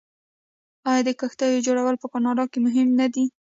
آیا د کښتیو جوړول په کاناډا کې مهم نه و؟